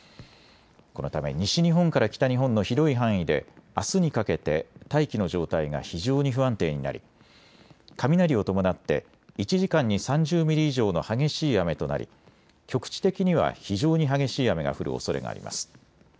このため西日本から北日本の広い範囲であすにかけて大気の状態が非常に不安定になり雷を伴って１時間に３０ミリ以上の激しい雨となり局地的には非常に激しい雨が降るおそれがあります。